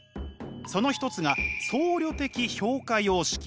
その一つが僧侶的評価様式。